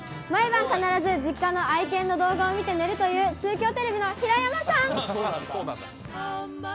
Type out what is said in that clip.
毎晩、必ず、実家の愛犬の動画を見て寝るという中京テレビの平山さん。